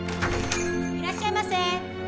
いらっしゃいませ！